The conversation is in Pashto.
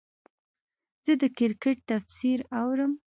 زه د کرکټ تفسیر اورم.